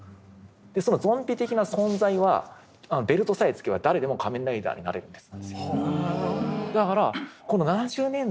そのゾンビ的な存在はベルトさえつければ誰でも仮面ライダーになれるんです。